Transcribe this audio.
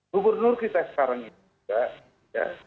gubernur kita sekarang ini juga ya